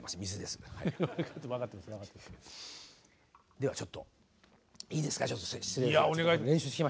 ではちょっといいですか失礼して。